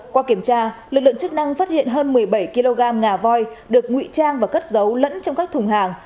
qua kiểm tra lực lượng chức năng phát hiện hơn một mươi bảy kg ngà voi được ngụy trang và cất giấu lẫn trong các thùng hàng